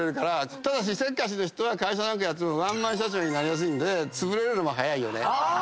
ただしせっかちな人は会社やってるとワンマン社長になりやすいんでつぶれるのも早いよね。